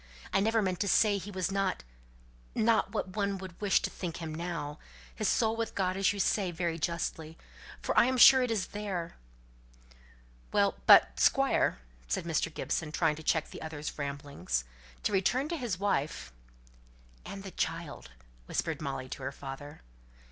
"I never meant to say he was not not what one would wish to think him now his soul with God, as you say very justly for I'm sure it is there " "Well! but, Squire," said Mr. Gibson, trying to check the other's rambling, "to return to his wife " "And the child," whispered Molly to her father.